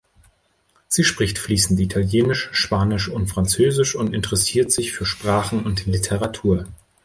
Sie spricht fließend italienisch, spanisch und französisch und interessiert sich für Sprachen und Literatur.